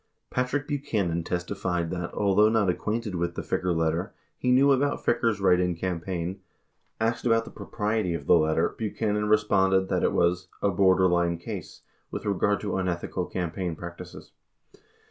Patrick Buchanan testified that, although not acquainted with the Ficker letter, he knew about Ficker's write in campaign. 65 Asked about the propriety of the letter, Buchanan responded that it was "a borderline case," with regard to unethical campaign practices.